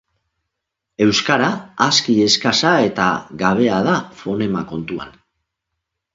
Euskara aski eskasa eta gabea da fonema kontuan.